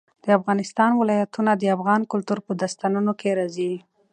د افغانستان ولايتونه د افغان کلتور په داستانونو کې راځي.